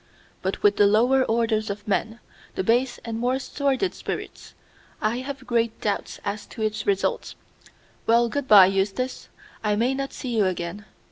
But with the lower orders of men, the base and more sordid spirits, I have grave doubts as to its results. Well, good by, Eustace, I may not see you again.